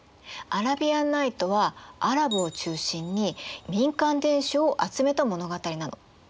「アラビアンナイト」はアラブを中心に民間伝承を集めた物語なの。